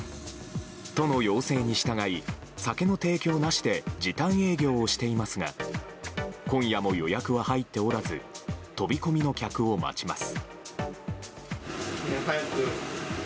都の要請に従い、酒の提供なしで時短営業をしていますが今夜も予約は入っておらず飛び込みの客を待ちます。